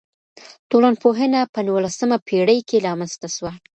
ټولنپوهنه په نولسمه پېړۍ کي رامنځته سوه.